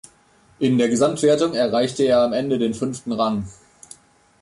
In der Gesamtwertung erreichte er am Ende den fünften Rang.